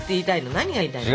何が言いたいの？